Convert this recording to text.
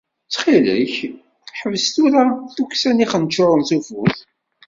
Ttxil-k, ḥbes tura tukksa n ixenčuren s ufus!